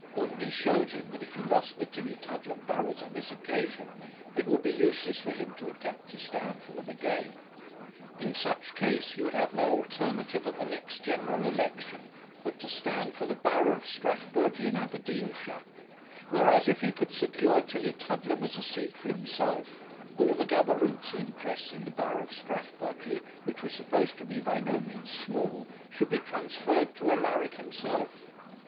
Undy showed him that if he lost the Tillietudlem burghs on this occasion it would be useless for him to attempt to stand for them again. In such case, he would have no alternative at the next general election but to stand for the borough of Strathbogy in Aberdeenshire; whereas, if he could secure Tillietudlem as a seat for himself, all the Gaberlunzie interest in the borough of Strathbogy, which was supposed to be by no means small, should be transferred to Alaric himself.